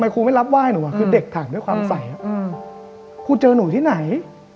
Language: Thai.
ครูเจอหนูที่ไหน